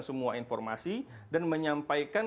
semua informasi dan menyampaikan